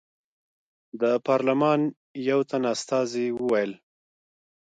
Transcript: د پارلمان یو تن استازي وویل.